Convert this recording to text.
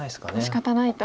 しかたないと。